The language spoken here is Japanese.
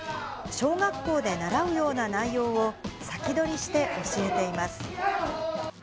小学校で習うような内容を、先取りして教えています。